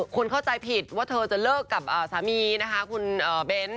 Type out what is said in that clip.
คนเข้าใจผิดว่าเธอจะเลิกกับสามีนะคะคุณเบ้น